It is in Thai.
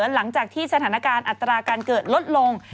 หลังจากที่สถานการณ์อัตราการเกิดลดลง